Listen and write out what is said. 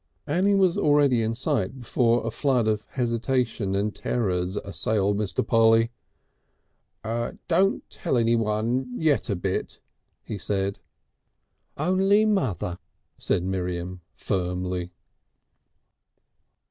Annie was already in sight before a flood of hesitation and terrors assailed Mr. Polly. "Don't tell anyone yet a bit," he said. "Only mother," said Miriam firmly.